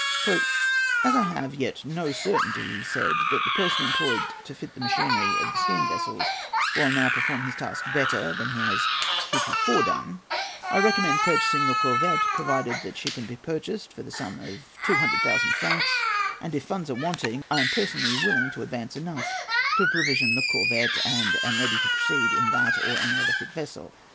"As I have yet no certainty," he said, "that the person employed to fit the machinery of the steam vessels will now perform his task better than he has heretofore done, I recommend purchasing the corvette, provided that she can be purchased for the sum of 200,000 francs, and, if funds are wanting, I personally am willing to advance enough to provision the corvette, and am ready to proceed in that or any fit vessel.